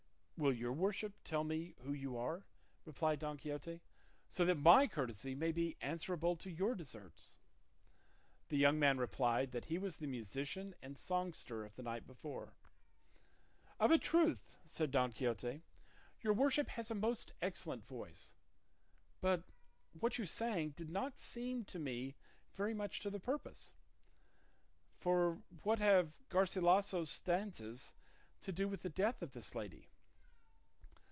"Will your worship tell me who you are," replied Don Quixote, "so that my courtesy may be answerable to your deserts?" The young man replied that he was the musician and songster of the night before. "Of a truth," said Don Quixote, "your worship has a most excellent voice; but what you sang did not seem to me very much to the purpose; for what have Garcilasso's stanzas to do with the death of this lady?"